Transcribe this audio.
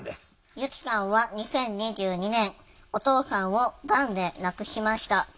由希さんは２０２２年お父さんをがんで亡くしました。